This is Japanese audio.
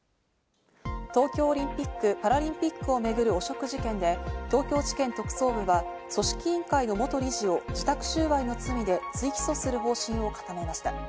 東京オリンピック・パラリンピックを巡る汚職事件で、東京地検特捜部は組織委員会の元理事を受託収賄の罪で追起訴する方針を固めました。